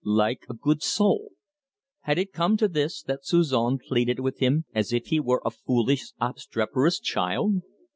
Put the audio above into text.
"Like a good soul!" Had it come to this, that Suzon pleaded with him as if he were a foolish, obstreperous child!